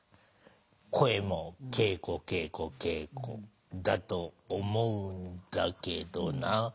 声も稽古稽古稽古だと思うんだけどな。